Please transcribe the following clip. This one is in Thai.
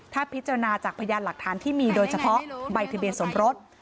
ถ้าพิจารณาจากพยานหลักฐานที่มีโดยเฉพาะใบทะเบียนสมรส